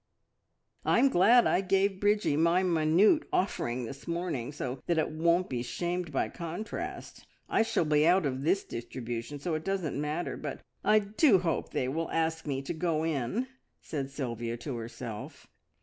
"I'm glad I gave Bridgie my minute offering this morning, so that it won't be shamed by contrast. I shall be out of this distribution, so it doesn't matter, but I do hope they will ask me to go in," said Sylvia to herself.